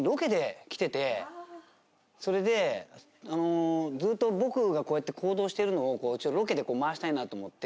それでずっと僕がこうやって行動してるのをロケで回したいなと思って。